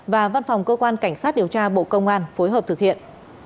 và văn phòng cơ quan cảnh sát điều tra bộ công an phối hợp thực hiện